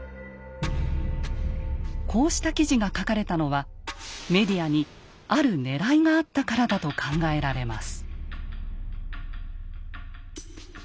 こうした記事が書かれたのはメディアにあるねらいがあったからだと考えられます。